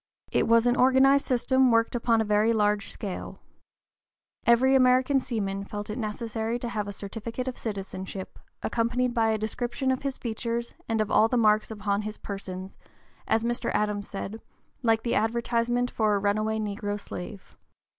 It was an organized system worked upon a very large scale. Every American seaman felt it necessary to have a certificate of citizenship, accompanied by a description of his features and of all the marks upon his person, as Mr. Adams said, "like the advertisement for a runaway negro slave."